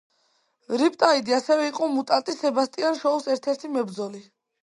რიპტაიდი ასევე იყო მუტანტი სებასტიან შოუს ერთ-ერთი მებრძოლი.